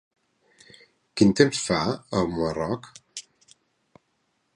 Quin temps fa a Humarock?